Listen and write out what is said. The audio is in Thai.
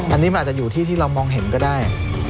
อันนี้มันอาจจะอยู่ที่ที่เรามองเห็นก็ได้